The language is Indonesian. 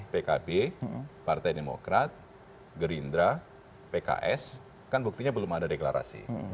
pkb partai demokrat gerindra pks kan buktinya belum ada deklarasi